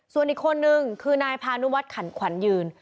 ส่วนอีกคนนึงคือนายพานุวัฒน์ขันขวัญยืน